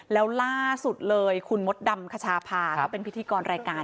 แล้วล่าสุดเลยคุณมดดำคชาพาก็เป็นพิธีกรรายการ